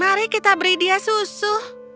mari kita beri dia susu